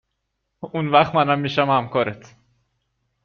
اونوقت منم میشم همکارت